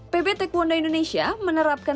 pb taekwondo indonesia menerapkan